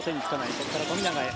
ここから富永へ。